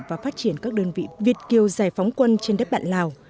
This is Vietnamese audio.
và phát triển các đơn vị việt kiều giải phóng quân trên đất bạn lào